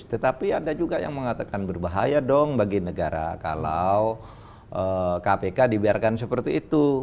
tetapi ada juga yang mengatakan berbahaya dong bagi negara kalau kpk dibiarkan seperti itu